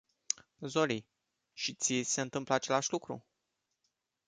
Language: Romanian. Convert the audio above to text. Zoli, și ție ți se întâmplă același lucru?